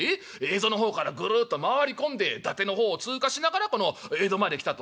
蝦夷の方からぐるっと回り込んで伊達の方を通過しながらこの江戸まで来たと。